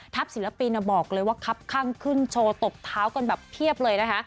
ศิลปินบอกเลยว่าคับข้างขึ้นโชว์ตบเท้ากันแบบเพียบเลยนะคะ